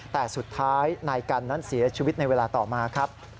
แต่สุดท้ายนายกันนั้นเสียชีวิตในเวลาต่อมาครับ